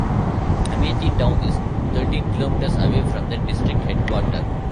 Amethi town is thirteen kilometers away from the district headquarter.